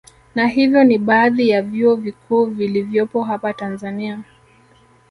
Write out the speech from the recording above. Na hivyo ni baadhi ya vyuo vikuu vilivyopo hapa Tanzania